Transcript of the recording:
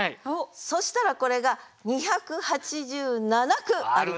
そしたらこれが２８７句ありました。